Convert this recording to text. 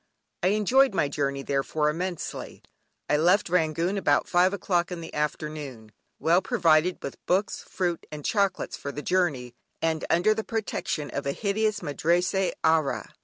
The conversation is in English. I enjoyed my journey, therefore, immensely. I left Rangoon about five o'clock in the afternoon, well provided with books, fruit and chocolates for the journey, and under the protection of a hideous Madrassee Ayah.